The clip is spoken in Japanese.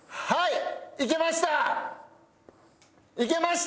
はい。